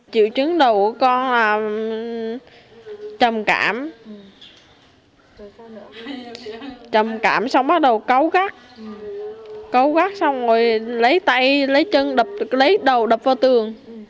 chịu chứng đầu của con là trầm cảm trầm cảm xong bắt đầu cấu gắt cấu gắt xong rồi lấy tay lấy chân đập lấy đầu đập vào tường